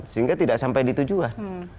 sehingga tidak sampai di tujuan